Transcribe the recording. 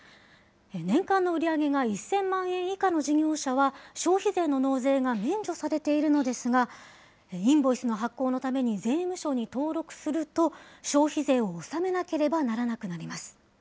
年間の売り上げが１０００万円以下の事業者は、消費税の納税が免除されているのですが、インボイスの発行のために税務署に登録すると、消費税を納めなければならなくなります。